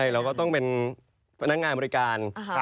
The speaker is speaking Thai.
เราก็ต้องเป็นพนักงานบริการ